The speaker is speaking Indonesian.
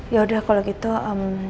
yaudah kalo gitu emm